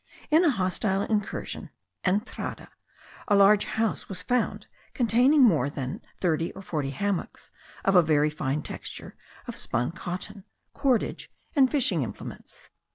In a hostile incursion (entrada) a large house was found containing more than thirty or forty hammocks of a very fine texture of spun cotton, cordage, and fishing implements.